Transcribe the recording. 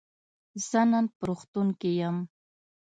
زه نن په روغتون کی یم.